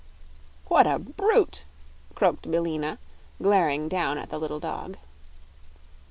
"What a brute!" croaked Billina, glaring down at the little dog.